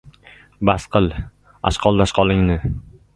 — Bas qil, ashqol-dashqolingni!